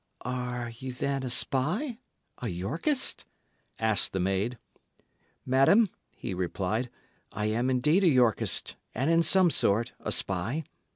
"Are ye, then, a spy a Yorkist?" asked the maid. "Madam," he replied, "I am indeed a Yorkist, and, in some sort, a spy.